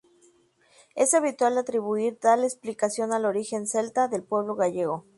Es habitual atribuir tal explicación al origen celta del pueblo gallego.